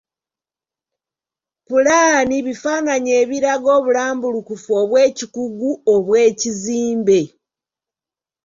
Pulaani bifaananyi ebiraga obulambulukufu obw'ekikugu obw'ekizimbe.